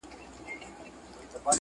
په خِلقت کي مي حکمت د سبحان وینم-